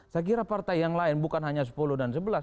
saya kira partai yang lain bukan hanya sepuluh dan sebelas